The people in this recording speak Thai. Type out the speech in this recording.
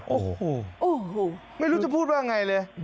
โอ้โหไม่รู้จะพูดว่าไงเลย